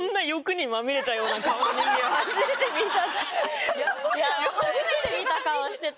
初めて見た。